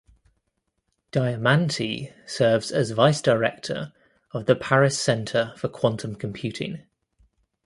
Diamanti serves as Vice Director of the Paris Centre for Quantum Computing.